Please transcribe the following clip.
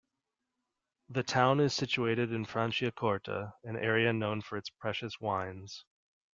The town is situated in Franciacorta, an area known for its precious wines.